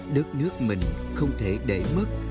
đất nước mình không thể để mất